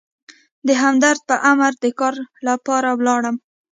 د همدرد په امر د کار لپاره ولاړم.